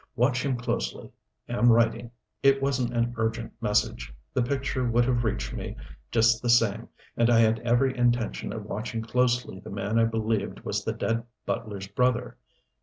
Watch him closely. Am writing. It wasn't an urgent message. The picture would have reached me, just the same, and I had every intention of watching closely the man I believed was the dead butler's brother.